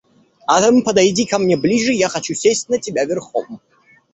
Адам, подойди ко мне ближе, я хочу сесть на тебя верхом.